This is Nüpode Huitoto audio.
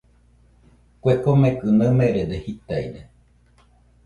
Kue komekɨ naɨmerede jitaide.